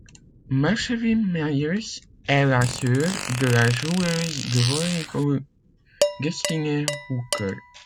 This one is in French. Marshevet Myers est la sœur de la joueuse de volley-ball Destinee Hooker.